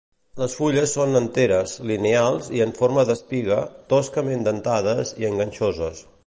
Les fulles són enteres, lineals i en forma d'espiga, toscament dentades i enganxoses.